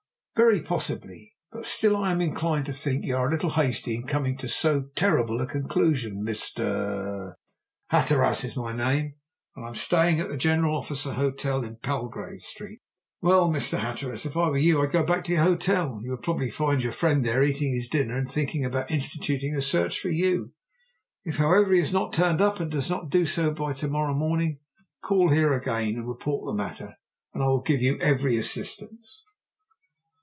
"Very possibly. But still I am inclined to think you are a little hasty in coming to so terrible a conclusion, Mr. ?" "Hatteras is my name, and I am staying at the General Officer Hotel in Palgrave Street." "Well, Mr. Hatteras, if I were you I would go back to your hotel. You will probably find your friend there eating his dinner and thinking about instituting a search for you. If, however, he has not turned up, and does not do so by to morrow morning, call here again and report the matter, and I will give you every assistance."